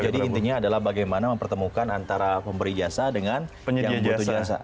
jadi intinya adalah bagaimana mempertemukan antara pemberi jasa dengan yang butuh jasa